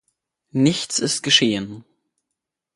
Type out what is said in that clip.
Nichts ist geschehen!